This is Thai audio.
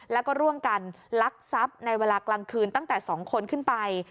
แล้วก็ร่วมกันลักทรัพย์ในเวลากลางคืนตั้งแต่๒คนขึ้นไป